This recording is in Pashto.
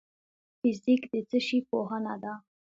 فزیک د څه شي پوهنه ده؟